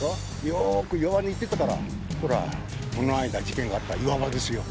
よーく岩場に行ってたからほらこの間事件があった岩場ですよ